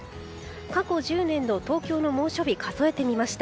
過去１０年の東京の猛暑日数えてみました。